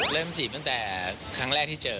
จีบตั้งแต่ครั้งแรกที่เจอ